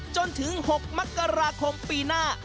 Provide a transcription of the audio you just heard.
จนถึง๖มกราคมปีหน้า